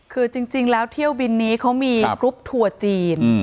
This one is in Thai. คือจริงแล้วเที่ยวบินนี้เขามีกรุ๊ปทัวร์จีน